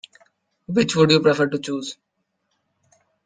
Which would you prefer to choose?